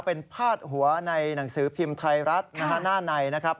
เป็นพาดหัวในหนังสือพิมพ์ไทยรัฐนะฮะหน้าในนะครับ